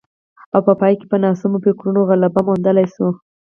او په پای کې په ناسمو فکرونو غلبه موندلای شو